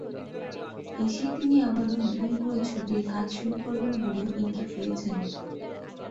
এসেই তিনি আবারও নতুন করে ছবির কাজ শুরু করবেন বলেও ইঙ্গিত দিয়েছেন।